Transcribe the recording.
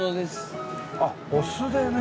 あっお酢でね。